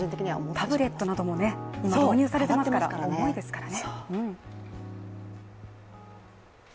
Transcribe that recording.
タブレットなども今導入されていますから、重いですからね。